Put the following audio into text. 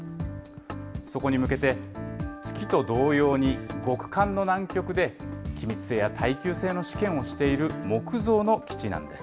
そこに向けて月と同様に極寒の南極で、気密性や耐久性の試験をしている木造の基地なんです。